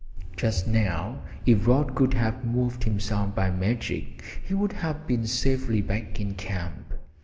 Just now, if Rod could have moved himself by magic, he would have been safely back in camp.